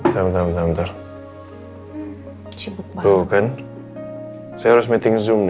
cipta bukan saya harus meeting zoom ya